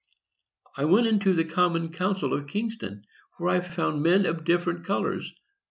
I went into the Common Council of Kingston; there I found men of different colors.